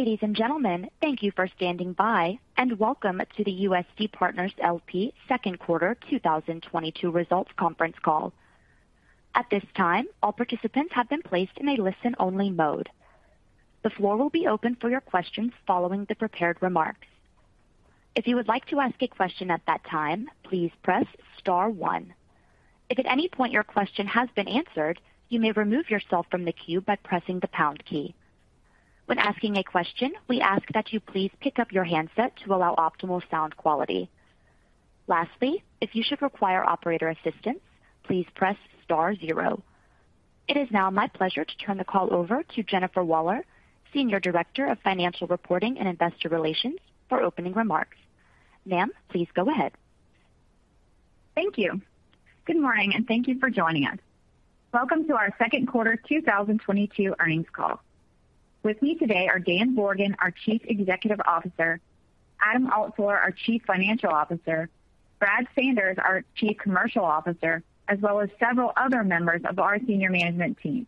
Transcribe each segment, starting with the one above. Ladies and gentlemen, thank you for standing by, and welcome to the USD Partners LP second quarter 2022 Results conference call. At this time, all participants have been placed in a listen-only mode. The floor will be open for your questions following the prepared remarks. If you would like to ask a question at that time, please press star one. If at any point your question has been answered, you may remove yourself from the queue by pressing the pound key. When asking a question, we ask that you please pick up your handset to allow optimal sound quality. Lastly, if you should require operator assistance, please press star zero. It is now my pleasure to turn the call over to Jennifer Waller, Senior Director of Financial Reporting and Investor Relations for opening remarks. Ma'am, please go ahead. Thank you. Good morning, and thank you for joining us. Welcome to our second quarter 2022 earnings call. With me today are Dan Borgen, our Chief Executive Officer, Adam Altsuler, our Chief Financial Officer, Brad Sanders, our Chief Commercial Officer, as well as several other members of our senior management team.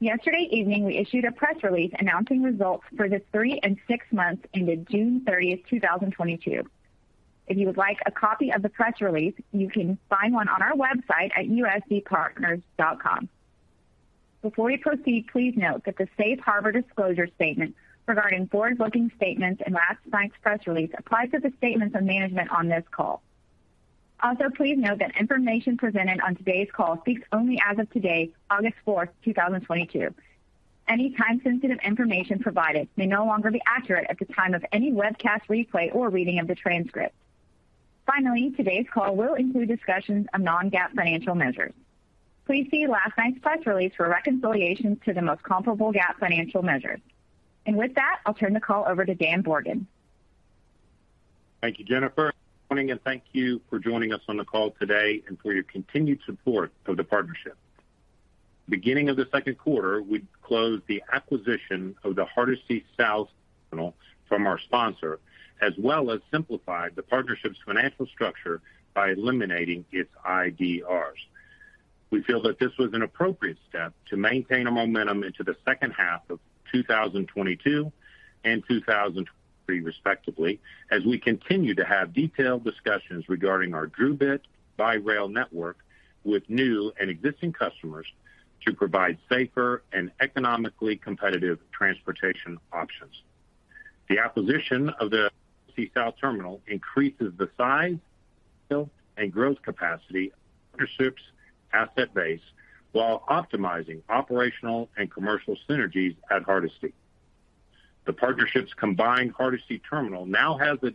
Yesterday evening, we issued a press release announcing results for the three and six months ended June 30, 2022. If you would like a copy of the press release, you can find one on our website at usdpartners.com. Before we proceed, please note that the safe harbor disclosure statement regarding forward-looking statements in last night's press release applies to the statements of management on this call. Also, please note that information presented on today's call speaks only as of today, August 4, 2022. Any time-sensitive information provided may no longer be accurate at the time of any webcast replay or reading of the transcript. Finally, today's call will include discussions of non-GAAP financial measures. Please see last night's press release for reconciliations to the most comparable GAAP financial measures. With that, I'll turn the call over to Dan Borgen. Thank you, Jennifer. Morning, and thank you for joining us on the call today and for your continued support of the partnership. Beginning of the second quarter, we closed the acquisition of the Hardisty South terminal from our sponsor, as well as simplified the partnership's financial structure by eliminating its IDRs. We feel that this was an appropriate step to maintain a momentum into the second half of 2022 and 2023 respectively, as we continue to have detailed discussions regarding our DRUbit by Rail network with new and existing customers to provide safer and economically competitive transportation options. The acquisition of the Hardisty South terminal increases the size, scale, and growth capacity of the partnership's asset base while optimizing operational and commercial synergies at Hardisty. The partnership's combined Hardisty terminal now has a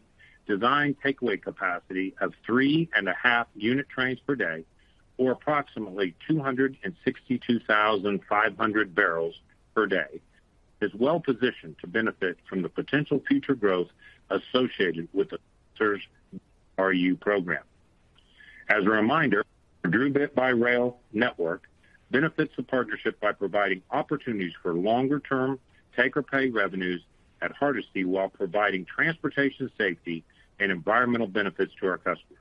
designed takeaway capacity of 3.5 unit trains per day or approximately 262,500 barrels per day and is well positioned to benefit from the potential future growth associated with the sponsor's DRU program. As a reminder, DRUbit by Rail network benefits the partnership by providing opportunities for longer-term take-or-pay revenues at Hardisty while providing transportation safety and environmental benefits to our customers.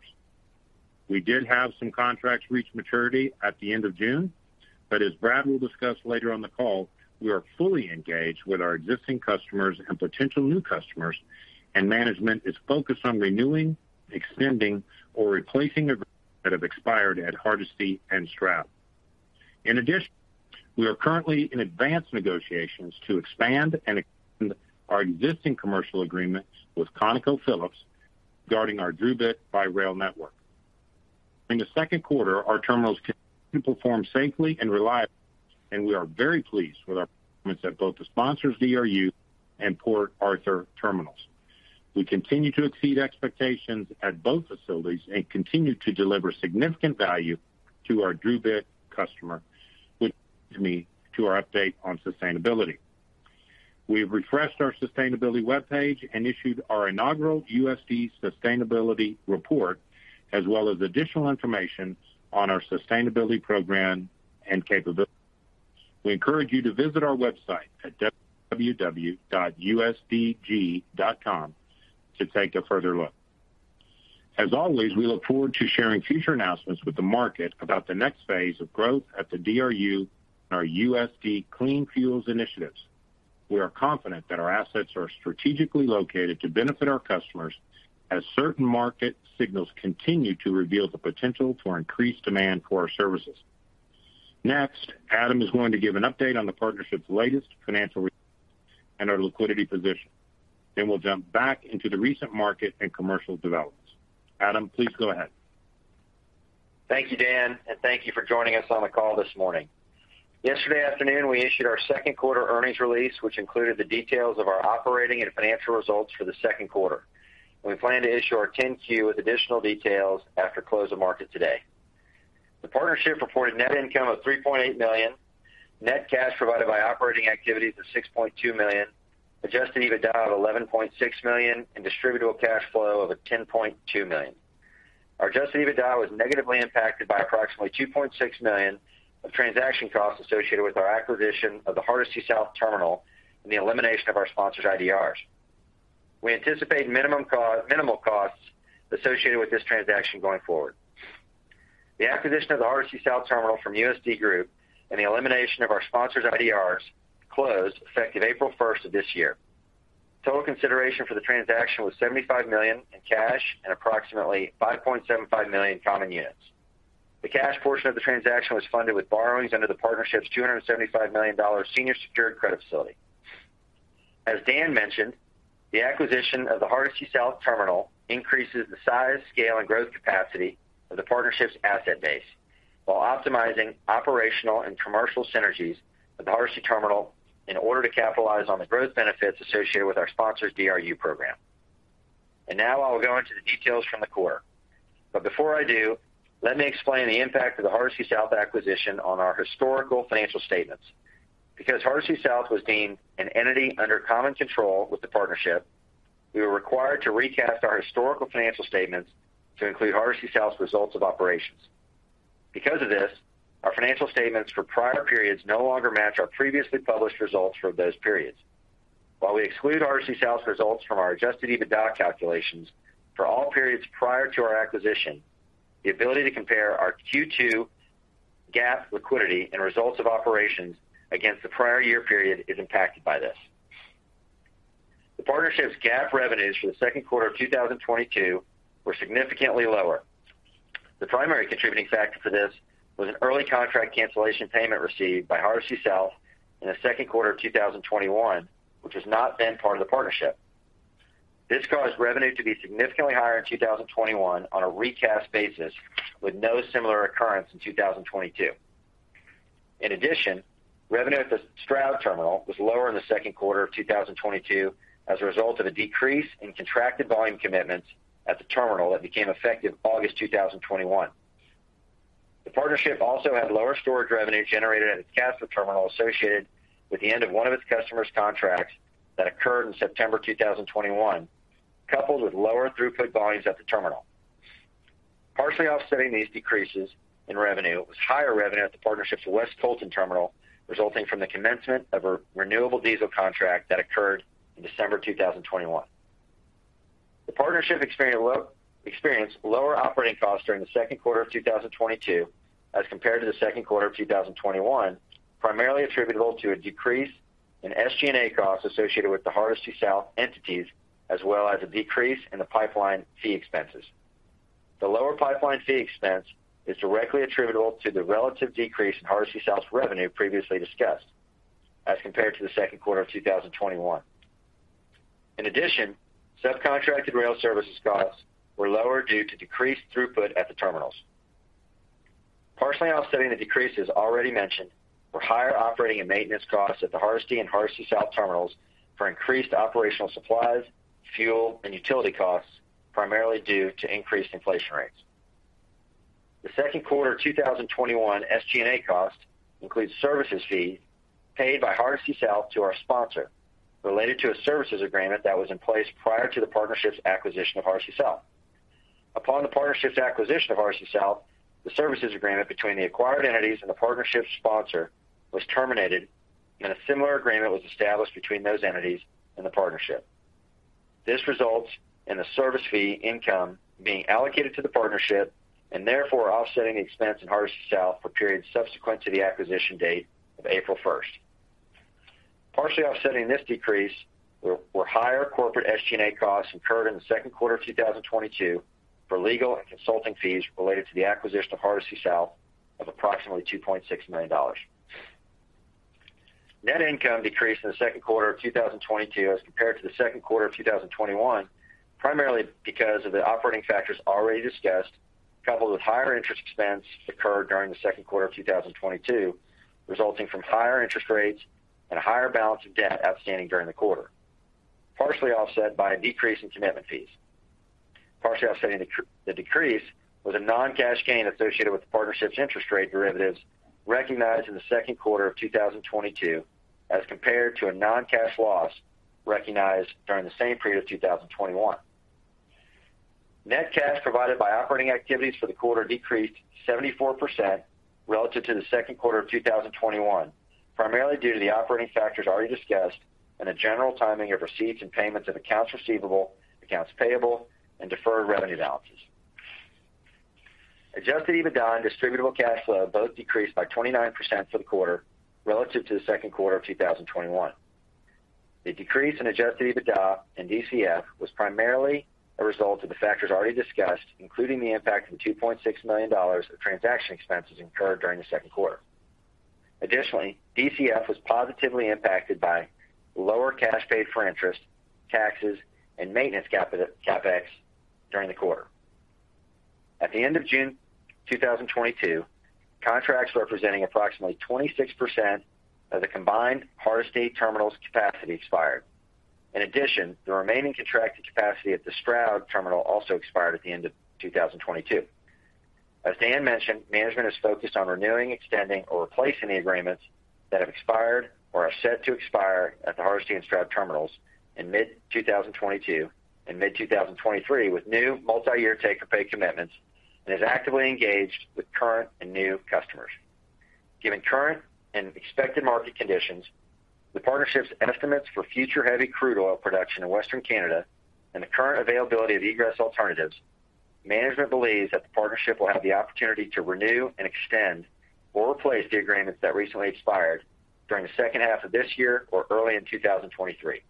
We did have some contracts reach maturity at the end of June, but as Brad will discuss later on the call, we are fully engaged with our existing customers and potential new customers, and management is focused on renewing, extending, or replacing agreements that have expired at Hardisty and Stroud. In addition, we are currently in advanced negotiations to expand and extend our existing commercial agreements with ConocoPhillips regarding our DRUbit by Rail network. In the second quarter, our terminals continued to perform safely and reliably, and we are very pleased with our performance at both the sponsor's DRU and Port Arthur terminals. We continue to exceed expectations at both facilities and continue to deliver significant value to our DRUbit customer, which brings me to our update on sustainability. We've refreshed our sustainability webpage and issued our inaugural USD Sustainability Report, as well as additional information on our sustainability program and capabilities. We encourage you to visit our website at www.usdg.com to take a further look. As always, we look forward to sharing future announcements with the market about the next phase of growth at the DRU and our USD Clean Fuels initiatives. We are confident that our assets are strategically located to benefit our customers as certain market signals continue to reveal the potential for increased demand for our services. Next, Adam is going to give an update on the partnership's latest financial results and our liquidity position. We'll jump back into the recent market and commercial developments. Adam, please go ahead. Thank you, Dan, and thank you for joining us on the call this morning. Yesterday afternoon, we issued our second quarter earnings release, which included the details of our operating and financial results for the second quarter. We plan to issue our 10-Q with additional details after close of market today. The partnership reported net income of $3.8 million, net cash provided by operating activities of $6.2 million, adjusted EBITDA of $11.6 million, and distributable cash flow of $10.2 million. Our adjusted EBITDA was negatively impacted by approximately $2.6 million of transaction costs associated with our acquisition of the Hardisty South terminal and the elimination of our sponsor's IDRs. We anticipate minimal costs associated with this transaction going forward. The acquisition of the Hardisty South Terminal from USD Group and the elimination of our sponsor's IDRs closed effective April first of this year. Total consideration for the transaction was $75 million in cash and approximately 5.75 million common units. The cash portion of the transaction was funded with borrowings under the partnership's $275 million senior secured credit facility. As Dan mentioned, the acquisition of the Hardisty South Terminal increases the size, scale, and growth capacity of the partnership's asset base while optimizing operational and commercial synergies of the Hardisty terminal in order to capitalize on the growth benefits associated with our sponsor's DRU program. Now I'll go into the details from the quarter. Before I do, let me explain the impact of the Hardisty South acquisition on our historical financial statements. Because Hardisty South was deemed an entity under common control with the partnership, we were required to recast our historical financial statements to include Hardisty South's results of operations. Because of this, our financial statements for prior periods no longer match our previously published results for those periods. While we exclude Hardisty South's results from our adjusted EBITDA calculations for all periods prior to our acquisition, the ability to compare our Q2 GAAP liquidity and results of operations against the prior year period is impacted by this. The partnership's GAAP revenues for the second quarter of 2022 were significantly lower. The primary contributing factor for this was an early contract cancellation payment received by Hardisty South in the second quarter of 2021, which has not been part of the partnership. This caused revenue to be significantly higher in 2021 on a recast basis with no similar occurrence in 2022. In addition, revenue at the Stroud Terminal was lower in the second quarter of 2022 as a result of a decrease in contracted volume commitments at the terminal that became effective August 2021. The partnership also had lower storage revenue generated at its Casper Terminal associated with the end of one of its customers' contracts that occurred in September 2021, coupled with lower throughput volumes at the terminal. Partially offsetting these decreases in revenue was higher revenue at the partnership's West Colton terminal resulting from the commencement of a renewable diesel contract that occurred in December 2021. The partnership experienced lower operating costs during the second quarter of 2022 as compared to the second quarter of 2021, primarily attributable to a decrease in SG&A costs associated with the Hardisty South entities as well as a decrease in the pipeline fee expenses. The lower pipeline fee expense is directly attributable to the relative decrease in Hardisty South's revenue previously discussed as compared to the second quarter of 2021. In addition, subcontracted rail services costs were lower due to decreased throughput at the terminals. Partially offsetting the decreases already mentioned were higher operating and maintenance costs at the Hardisty and Hardisty South terminals for increased operational supplies, fuel, and utility costs, primarily due to increased inflation rates. The second quarter 2021 SG&A cost includes services fees paid by Hardisty South to our sponsor related to a services agreement that was in place prior to the partnership's acquisition of Hardisty South. Upon the partnership's acquisition of Hardisty South, the services agreement between the acquired entities and the partnership sponsor was terminated, and a similar agreement was established between those entities and the partnership. This results in the service fee income being allocated to the partnership and therefore offsetting the expense in Hardisty South for periods subsequent to the acquisition date of April 1. Partially offsetting this decrease were higher corporate SG&A costs incurred in the second quarter of 2022 for legal and consulting fees related to the acquisition of Hardisty South of approximately $2.6 million. Net income decreased in the second quarter of 2022 as compared to the second quarter of 2021, primarily because of the operating factors already discussed, coupled with higher interest expense incurred during the second quarter of 2022, resulting from higher interest rates and a higher balance of debt outstanding during the quarter, partially offset by a decrease in commitment fees. Partially offsetting the decrease was a non-cash gain associated with the partnership's interest rate derivatives recognized in the second quarter of 2022 as compared to a non-cash loss recognized during the same period of 2021. Net cash provided by operating activities for the quarter decreased 74% relative to the second quarter of 2021, primarily due to the operating factors already discussed and the general timing of receipts and payments of accounts receivable, accounts payable, and deferred revenue balances. Adjusted EBITDA and distributable cash flow both decreased by 29% for the quarter relative to the second quarter of 2021. The decrease in adjusted EBITDA and DCF was primarily a result of the factors already discussed, including the impact from $2.6 million of transaction expenses incurred during the second quarter. Additionally, DCF was positively impacted by lower cash paid for interest, taxes, and maintenance CapEx during the quarter. At the end of June 2022, contracts representing approximately 26% of the combined Hardisty Terminal's capacity expired. In addition, the remaining contracted capacity at the Stroud Terminal also expired at the end of 2022. As Dan mentioned, management is focused on renewing, extending, or replacing the agreements that have expired or are set to expire at the Hardisty and Stroud terminals in mid-2022 and mid-2023 with new multiyear take-or-pay commitments and is actively engaged with current and new customers. Given current and expected market conditions, the partnership's estimates for future heavy crude oil production in Western Canada and the current availability of egress alternatives, management believes that the partnership will have the opportunity to renew and extend or replace the agreements that recently expired during the second half of this year or early in 2023.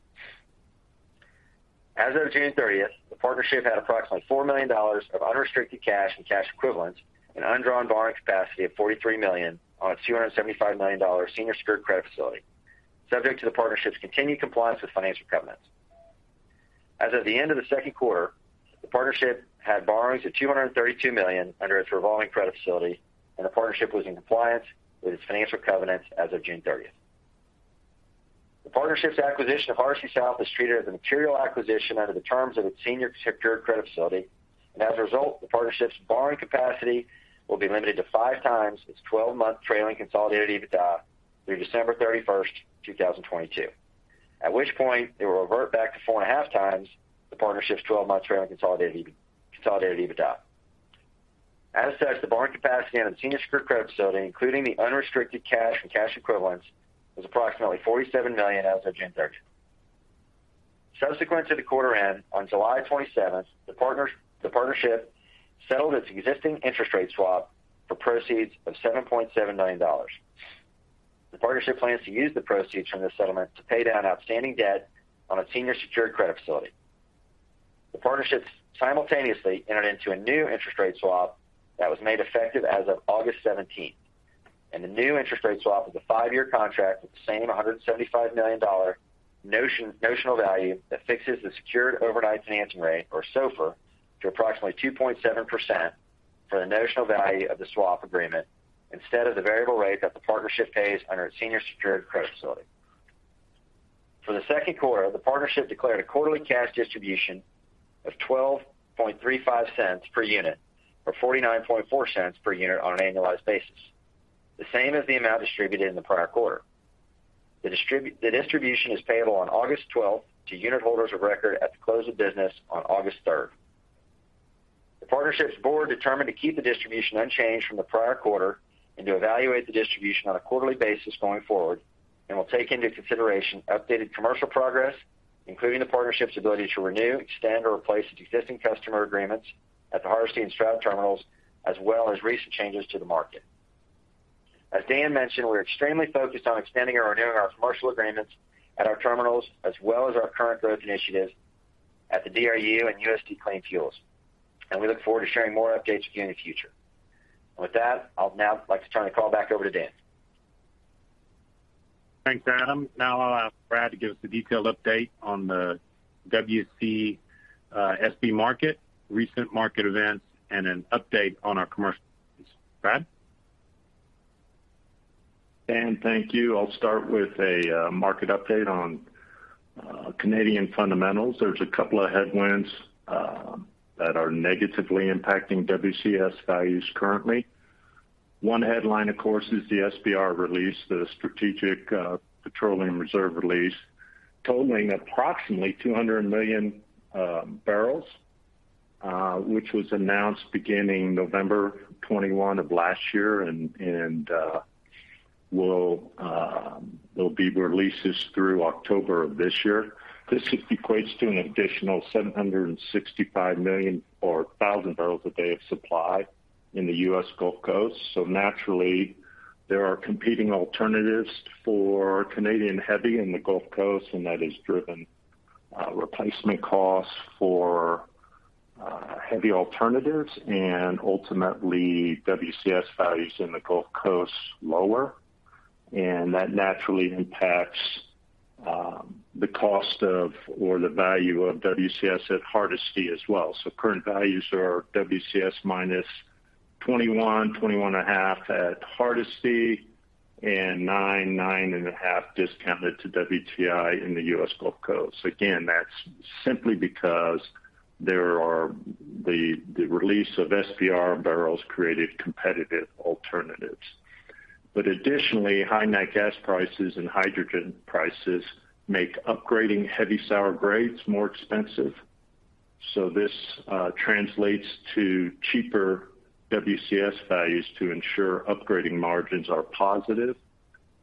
As of June 30, the partnership had approximately $4 million of unrestricted cash and cash equivalents and undrawn borrowing capacity of $43 million on its $275 million senior secured credit facility, subject to the partnership's continued compliance with financial covenants. As of the end of the second quarter, the partnership had borrowings of $232 million under its revolving credit facility, and the partnership was in compliance with its financial covenants as of June 30. The partnership's acquisition of Hardisty South is treated as a material acquisition under the terms of its senior secured credit facility, and as a result, the partnership's borrowing capacity will be limited to 5x its 12-month trailing consolidated EBITDA through December 31, 2022, at which point it will revert back to 4.5x the partnership's 12-month trailing consolidated EBITDA. As such, the borrowing capacity on the senior secured credit facility, including the unrestricted cash and cash equivalents, was approximately $47 million as of June 30. Subsequent to the quarter end, on July 27, the partnership settled its existing interest rate swap for proceeds of $7.7 million. The partnership plans to use the proceeds from this settlement to pay down outstanding debt on its senior secured credit facility. The partnership simultaneously entered into a new interest rate swap that was made effective as of August 17, and the new interest rate swap is a five-year contract with the same $175 million notional value that fixes the secured overnight financing rate, or SOFR, to approximately 2.7% for the notional value of the swap agreement instead of the variable rate that the partnership pays under its senior secured credit facility. For the second quarter, the partnership declared a quarterly cash distribution of $0.1235 per unit, or $0.494 per unit on an annualized basis, the same as the amount distributed in the prior quarter. The distribution is payable on August twelfth to unitholders of record at the close of business on August third. The partnership's board determined to keep the distribution unchanged from the prior quarter and to evaluate the distribution on a quarterly basis going forward and will take into consideration updated commercial progress, including the partnership's ability to renew, extend or replace its existing customer agreements at the Hardisty and Stroud terminals, as well as recent changes to the market. As Dan mentioned, we're extremely focused on extending or renewing our commercial agreements at our terminals as well as our current growth initiatives at the DRU and USD Clean Fuels, and we look forward to sharing more updates with you in the future. With that, I'd like to turn the call back over to Dan. Thanks, Adam. Now I'll allow Brad to give us a detailed update on the WCSB market, recent market events, and an update on our commercials. Brad? Dan, thank you. I'll start with a market update on Canadian fundamentals. There's a couple of headwinds that are negatively impacting WCS values currently. One headline, of course, is the SPR release, the Strategic Petroleum Reserve release, totaling approximately 200 million barrels, which was announced beginning November 21 of last year and will be released through October of this year. This equates to an additional 765 thousand barrels a day of supply in the U.S. Gulf Coast. Naturally, there are competing alternatives for Canadian heavy in the Gulf Coast, and that has driven replacement costs for heavy alternatives and ultimately WCS values in the Gulf Coast lower. That naturally impacts the cost or the value of WCS at Hardisty as well. Current values are WCS minus $21-$21.5 at Hardisty and $9-$9.5 discounted to WTI in the U.S. Gulf Coast. Again, that's simply because the release of SPR barrels created competitive alternatives. Additionally, high nat gas prices and hydrogen prices make upgrading heavy sour grades more expensive. This translates to cheaper WCS values to ensure upgrading margins are positive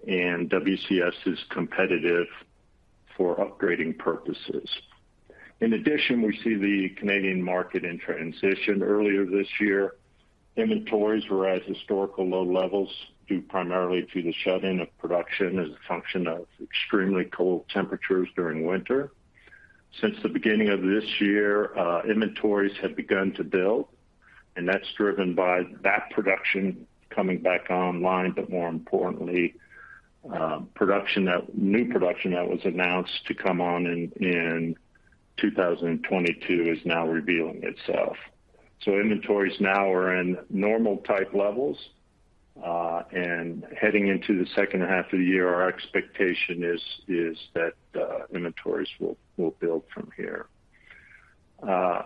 and WCS is competitive for upgrading purposes. In addition, we see the Canadian market in transition. Earlier this year, inventories were at historical low levels due primarily to the shut-in of production as a function of extremely cold temperatures during winter. Since the beginning of this year, inventories have begun to build, and that's driven by that production coming back online, but more importantly, new production that was announced to come on in 2022 is now revealing itself. Inventories now are in normal type levels, and heading into the second half of the year, our expectation is that inventories will build from here.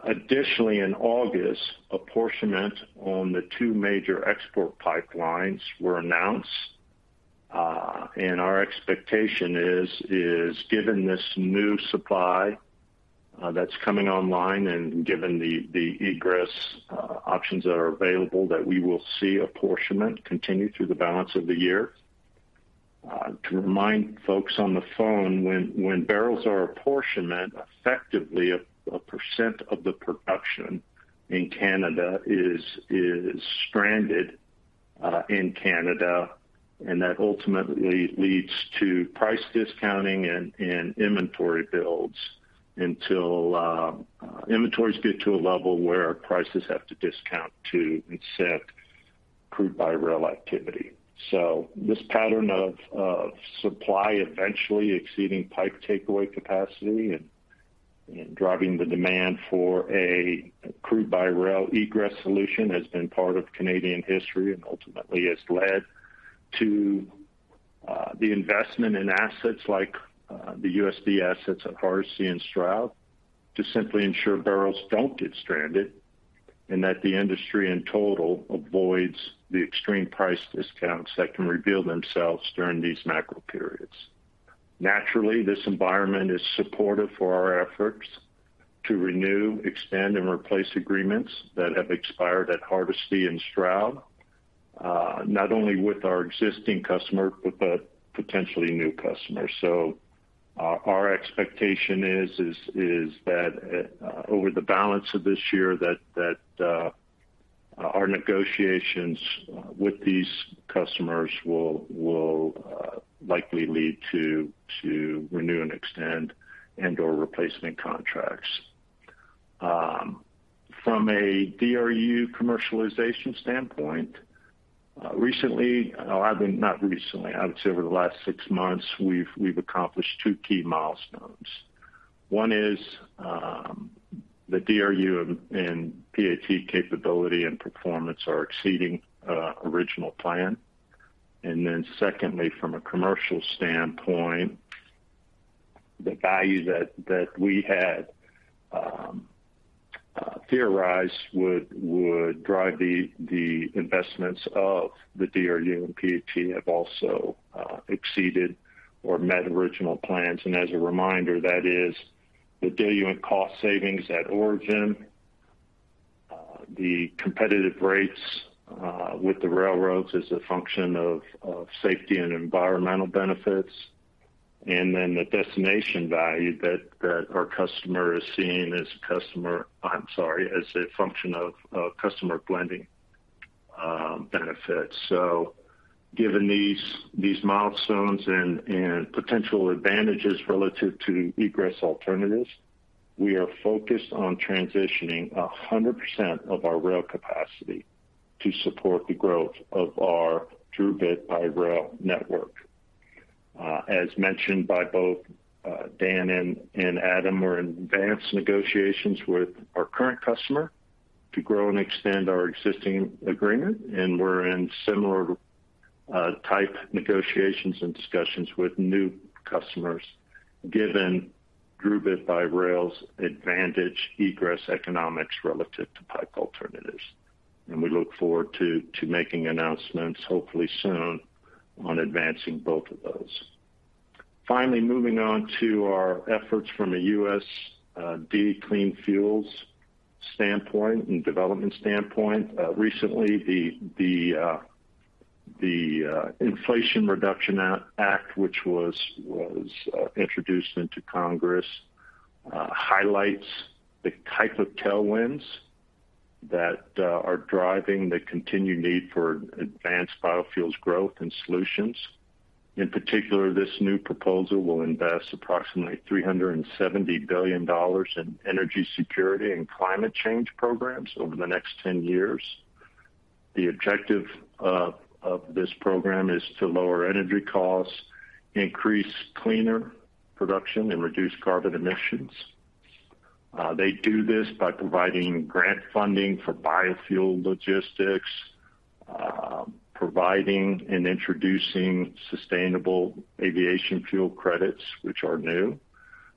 Additionally, in August, apportionment on the two major export pipelines were announced, and our expectation is that given this new supply, that's coming online, and given the egress options that are available that we will see apportionment continue through the balance of the year. To remind folks on the phone when barrels are apportioned, effectively a percent of the production in Canada is stranded in Canada, and that ultimately leads to price discounting and inventory builds until inventories get to a level where prices have to discount to incent crude by rail activity. This pattern of supply eventually exceeding pipe takeaway capacity and driving the demand for a crude by rail egress solution has been part of Canadian history and ultimately has led to the investment in assets like the USD assets at Hardisty and Stroud to simply ensure barrels don't get stranded and that the industry in total avoids the extreme price discounts that can reveal themselves during these macro periods. Naturally, this environment is supportive for our efforts to renew, extend, and replace agreements that have expired at Hardisty and Stroud, not only with our existing customer but with potentially new customers. Our expectation is that over the balance of this year that our negotiations with these customers will likely lead to renew and extend and/or replacement contracts. From a DRU commercialization standpoint, I mean, not recently. I would say over the last six months, we've accomplished two key milestones. One is, the DRU and PAT capability and performance are exceeding original plan. Then secondly, from a commercial standpoint, the value that we had theorized would drive the investments of the DRU and PAT have also exceeded or met original plans. As a reminder, that is the diluent cost savings at origin, the competitive rates with the railroads as a function of safety and environmental benefits, and then the destination value that our customer is seeing as a function of customer blending benefits. Given these milestones and potential advantages relative to egress alternatives, we are focused on transitioning 100% of our rail capacity to support the growth of our DRUbit by Rail network. As mentioned by both Dan and Adam, we're in advanced negotiations with our current customer to grow and extend our existing agreement, and we're in similar type negotiations and discussions with new customers given DRUbit by Rail's advantaged egress economics relative to pipe alternatives. We look forward to making announcements hopefully soon on advancing both of those. Finally, moving on to our efforts from a USD Clean Fuels standpoint and development standpoint. Recently the Inflation Reduction Act, which was introduced into Congress, highlights the type of tailwinds that are driving the continued need for advanced biofuels growth and solutions. In particular, this new proposal will invest approximately $370 billion in energy security and climate change programs over the next 10 years. The objective of this program is to lower energy costs, increase cleaner production, and reduce carbon emissions. They do this by providing grant funding for biofuel logistics, providing and introducing sustainable aviation fuel credits, which are new,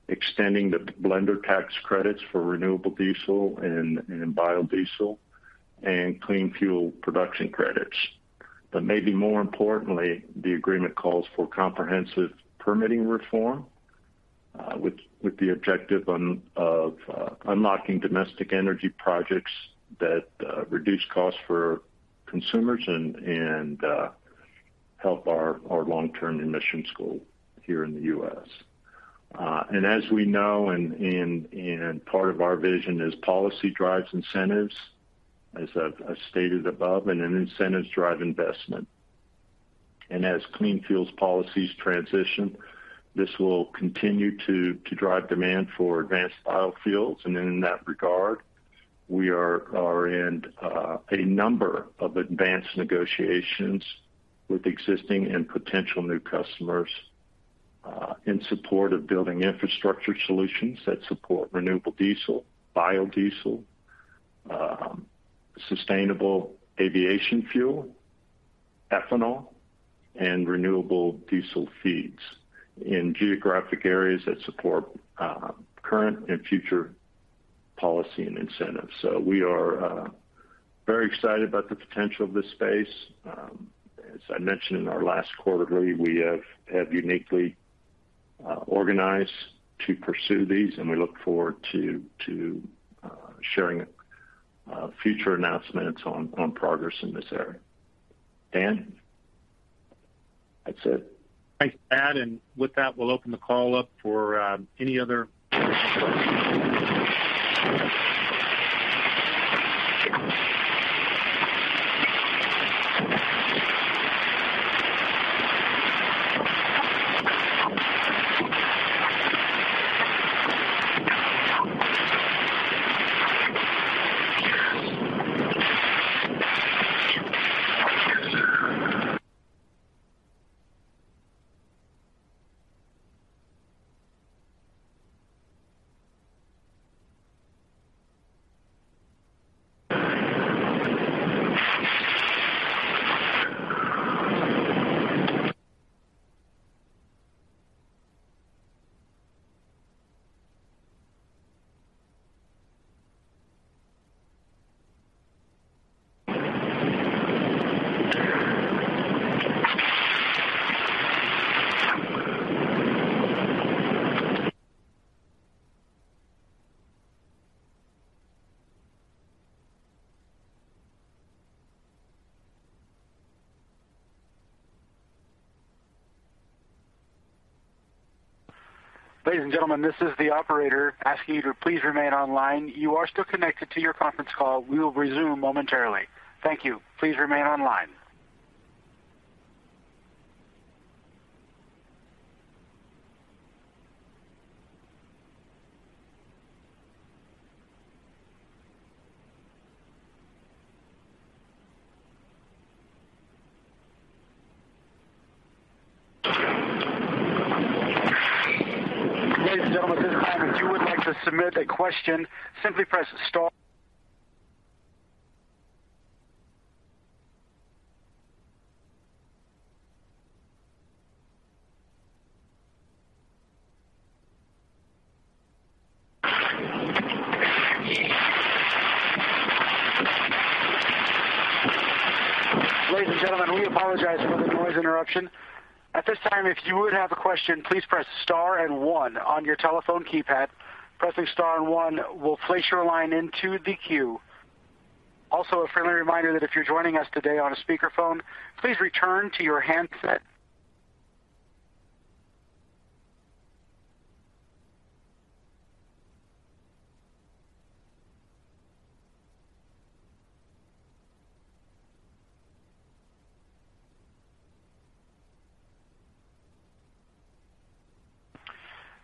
extending the blender tax credits for renewable diesel and biodiesel, and clean fuel production credits. Maybe more importantly, the agreement calls for comprehensive permitting reform, with the objective of unlocking domestic energy projects that reduce costs for consumers and help our long-term emissions goal here in the U.S. As we know and part of our vision is policy drives incentives, as I've stated above, and then incentives drive investment. As clean fuels policies transition, this will continue to drive demand for advanced biofuels. In that regard, we are in a number of advanced negotiations with existing and potential new customers in support of building infrastructure solutions that support renewable diesel, biodiesel, sustainable aviation fuel, ethanol, and renewable diesel feeds in geographic areas that support current and future Policy and incentives. We are very excited about the potential of this space. As I mentioned in our last quarterly, we have uniquely organized to pursue these, and we look forward to sharing future announcements on progress in this area. Dan? That's it. Thanks, Brad. With that, we'll open the call up. Ladies and gentlemen, this is the operator asking you to please remain online. You are still connected to your conference call. We will resume momentarily. Thank you. Please remain online. Ladies and gentlemen, at this time, if you would like to submit a question, simply press. Ladies and gentlemen, we apologize for the noise interruption. At this time, if you would have a question, please press star and one on your telephone keypad. Pressing star and one will place your line into the queue. Also, a friendly reminder that if you're joining us today on a speakerphone, please return to your handset.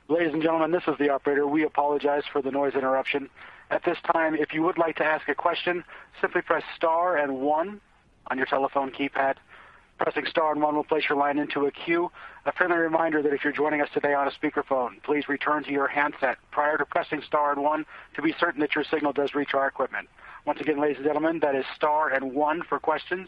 Ladies and gentlemen, this is the operator. We apologize for the noise interruption. At this time, if you would like to ask a question, simply press star and one on your telephone keypad. Pressing star and one will place your line into a queue. A friendly reminder that if you're joining us today on a speakerphone, please return to your handset prior to pressing star and one to be certain that your signal does reach our equipment. Once again, ladies and gentlemen, that is star and one for questions.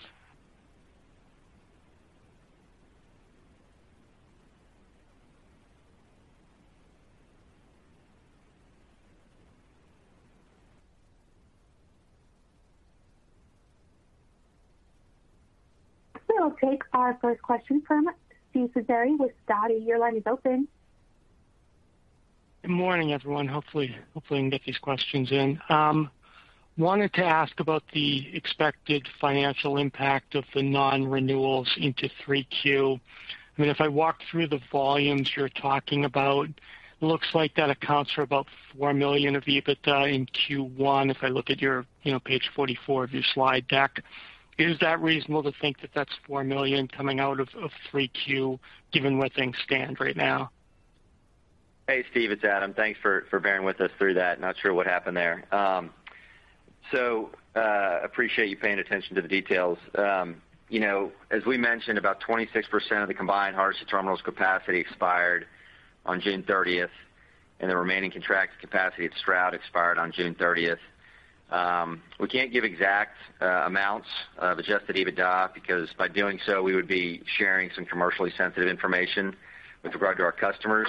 We'll take our first question from Steve Ferazani with Sidoti. Your line is open. Good morning, everyone. Hopefully we can get these questions in. Wanted to ask about the expected financial impact of the non-renewals into 3Q. I mean, if I walk through the volumes you're talking about, looks like that accounts for about $4 million of EBITDA in Q1, if I look at your page 44 of your slide deck. Is that reasonable to think that that's $4 million coming out of 3Q, given where things stand right now? Hey, Steve, it's Adam. Thanks for bearing with us through that. Not sure what happened there. Appreciate you paying attention to the details. You know, as we mentioned, about 26% of the combined Hardisty terminals capacity expired on June thirtieth, and the remaining contracted capacity of Stroud expired on June thirtieth. We can't give exact amounts of adjusted EBITDA because by doing so, we would be sharing some commercially sensitive information with regard to our customers.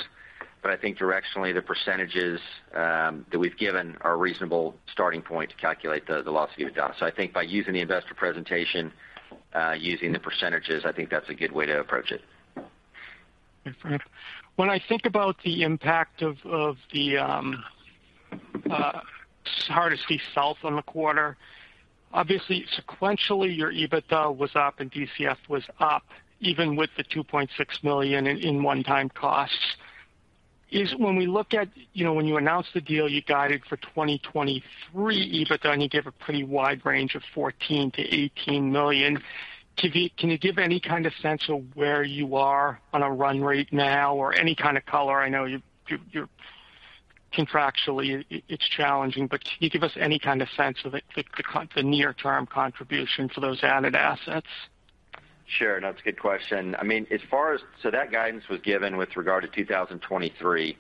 I think directionally, the percentages that we've given are a reasonable starting point to calculate the loss of EBITDA. I think by using the investor presentation, using the percentages, I think that's a good way to approach it. When I think about the impact of Hardisty South on the quarter, obviously, sequentially, your EBITDA was up and DCF was up even with the $2.6 million in one-time costs. When we look at, you know, when you announced the deal, you guided for 2023 EBITDA, and you gave a pretty wide range of $14 million-$18 million. Can you give any kind of sense of where you are on a run rate now or any kind of color? I know you're contractually, it's challenging, but can you give us any kind of sense of the near-term contribution for those added assets? Sure. That's a good question. I mean, as far as that guidance was given with regard to 2023.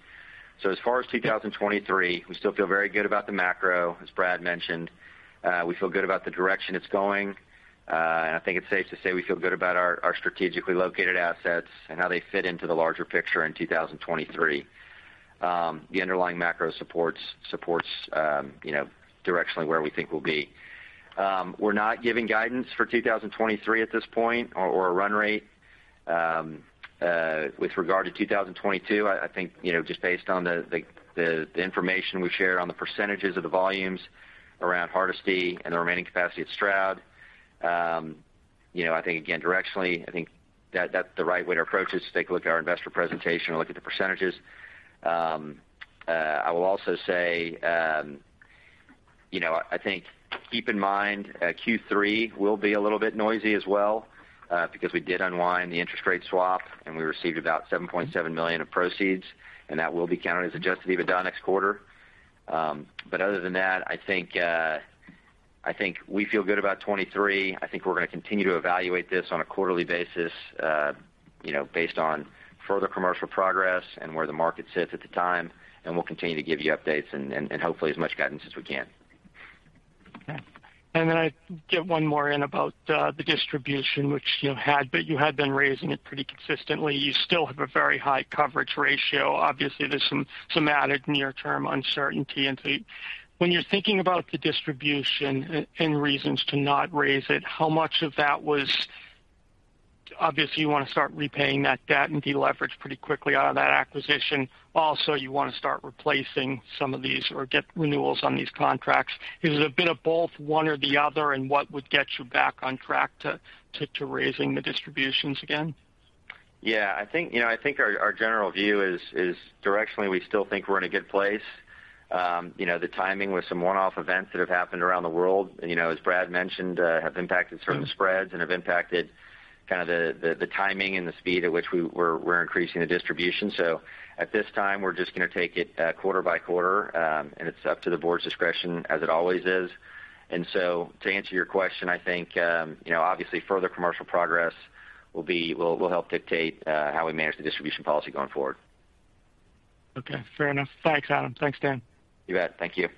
As far as 2023, we still feel very good about the macro, as Brad mentioned. We feel good about the direction it's going. I think it's safe to say we feel good about our strategically located assets and how they fit into the larger picture in 2023. The underlying macro supports you know, directionally where we think we'll be. We're not giving guidance for 2023 at this point or a run rate. With regard to 2022, I think, you know, just based on the information we shared on the percentages of the volumes around Hardisty and the remaining capacity at Stroud, you know, I think again, directionally, I think that's the right way to approach this. Take a look at our investor presentation or look at the percentages. I will also say, you know, I think keep in mind, Q3 will be a little bit noisy as well, because we did unwind the interest rate swap, and we received about $7.7 million of proceeds, and that will be counted as adjusted EBITDA next quarter. Other than that, I think we feel good about 2023. I think we're gonna continue to evaluate this on a quarterly basis, you know, based on further commercial progress and where the market sits at the time, and we'll continue to give you updates and hopefully as much guidance as we can. Okay. Then I get one more in about the distribution, which you had, but you had been raising it pretty consistently. You still have a very high coverage ratio. Obviously, there's some added near-term uncertainty. When you're thinking about the distribution and reasons to not raise it, how much of that was. Obviously, you wanna start repaying that debt and deleverage pretty quickly out of that acquisition. Also, you wanna start replacing some of these or get renewals on these contracts. Is it a bit of both, one or the other, and what would get you back on track to raising the distributions again? Yeah, I think, you know, our general view is directionally, we still think we're in a good place. You know, the timing with some one-off events that have happened around the world, you know, as Brad mentioned, have impacted certain spreads and have impacted kind of the timing and the speed at which we're increasing the distribution. So at this time, we're just gonna take it quarter by quarter, and it's up to the board's discretion as it always is. To answer your question, I think, you know, obviously, further commercial progress will help dictate how we manage the distribution policy going forward. Okay, fair enough. Thanks, Adam. Thanks, Dan. You bet. Thank you.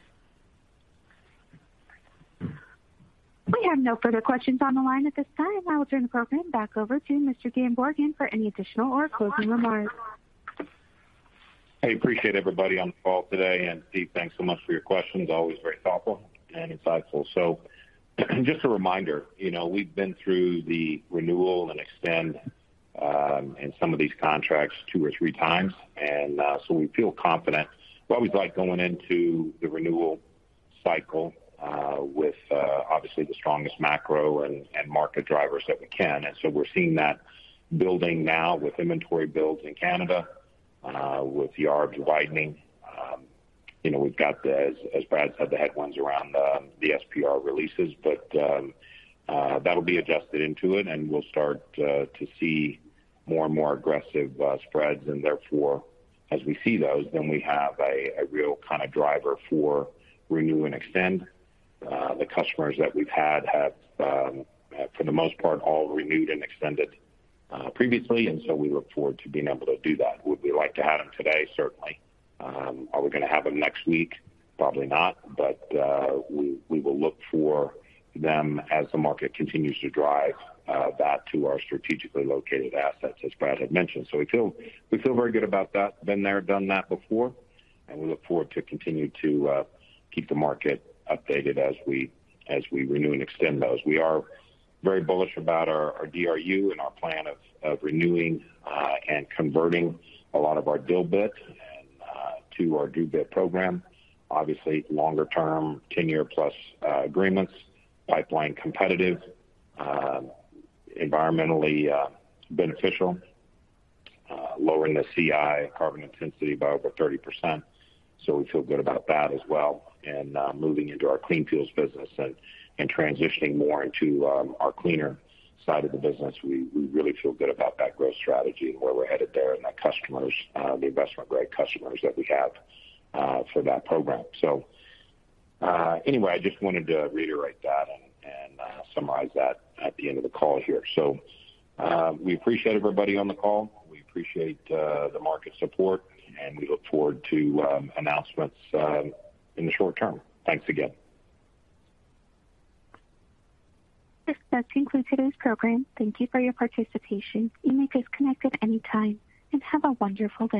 We have no further questions on the line at this time. I will turn the program back over to Mr. Dan Borgen for any additional or closing remarks. I appreciate everybody on the call today. Steve, thanks so much for your questions. Always very thoughtful and insightful. Just a reminder, you know, we've been through the renewal and extend in some of these contracts two or three times, and so we feel confident. We always like going into the renewal cycle with obviously the strongest macro and market drivers that we can. We're seeing that building now with inventory builds in Canada with spreads widening. You know, we've got the, as Brad said, the headlines around the SPR releases, but that'll be adjusted into it, and we'll start to see more and more aggressive spreads. Therefore, as we see those, then we have a real kinda driver for renew and extend. The customers that we've had have, for the most part, all renewed and extended previously, and so we look forward to being able to do that. Would we like to have them today? Certainly. Are we gonna have them next week? Probably not. We will look for them as the market continues to drive that to our strategically located assets, as Brad had mentioned. We feel very good about that. Been there, done that before, and we look forward to continue to keep the market updated as we renew and extend those. We are very bullish about our DRU and our plan of renewing and converting a lot of our DilBit to our DRUbit program. Obviously, longer term, 10-year+ agreements, pipeline competitive, environmentally beneficial, lowering the CI carbon intensity by over 30%. We feel good about that as well. Moving into our clean fuels business and transitioning more into our cleaner side of the business, we really feel good about that growth strategy and where we're headed there and the customers, the investment-grade customers that we have for that program. Anyway, I just wanted to reiterate that and summarize that at the end of the call here. We appreciate everybody on the call. We appreciate the market support, and we look forward to announcements in the short term. Thanks again. This does conclude today's program. Thank you for your participation. You may disconnect at any time, and have a wonderful day.